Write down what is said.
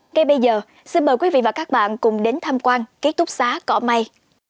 ngay bây giờ xin mời quý vị và các bạn cùng đến tham quan ký túc xá cỏ mây